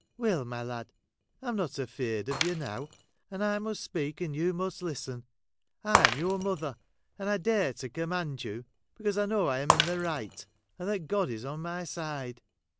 Will, my lad, I 'm not afeared 01 you now, and I must speak, and you must listen. I am your mother, and I dare to command you, because I know I am in the right and that God is on my side.